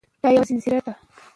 دا یو ځنځیر دی.